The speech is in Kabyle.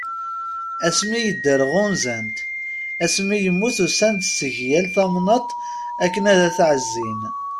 Asmi yedder ɣunzan-t, asmi yemmut usan-d seg yal tamnaḍt akken ad t-ɛezzin.